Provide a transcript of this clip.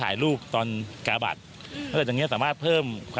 ก็ต้องดูให้รอบครอบแล้วก็ชี้แจงเรื่องขั้นตอนให้ละเอียดนะ